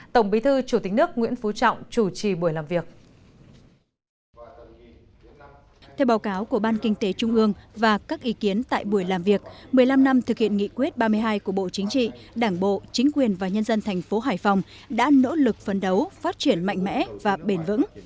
theo báo cáo của ban kinh tế trung ương và các ý kiến tại buổi làm việc một mươi năm năm thực hiện nghị quyết ba mươi hai của bộ chính trị đảng bộ chính quyền và nhân dân thành phố hải phòng đã nỗ lực phấn đấu phát triển mạnh mẽ và bền vững